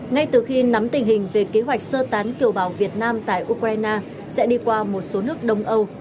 ngay từ khi nắm tình hình về kế hoạch sơ tán kiều bào việt nam tại ukraine sẽ đi qua một số nước đông âu